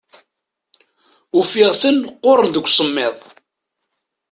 Ufiɣ-ten qquren deg usemmiḍ.